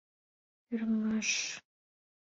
Ӧрмаш: